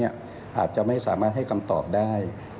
อาจจะไม่สามารถให้คำตอบได้